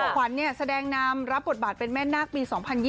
ขวัญแสดงนำรับบทบาทเป็นแม่นาคปี๒๐๒๐